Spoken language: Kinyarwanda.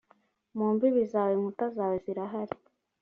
mu mbibi zawe inkuta zawe zirahari